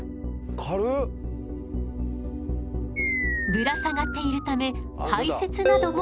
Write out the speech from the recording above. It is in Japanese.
ぶら下がっているため排せつなどもこのとおり。